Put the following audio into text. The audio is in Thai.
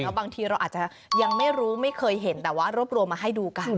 บางทีเราอาจจะยังไม่รู้ไม่เคยเห็นแต่ว่ารวบรวมมาให้ดูกัน